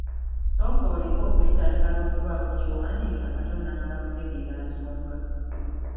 Sooka oleke okwetantala okubaako ky'owandiika nga tonnamala kutegeera nsonga.